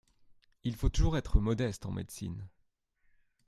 Il faut toujours être modeste en médecine.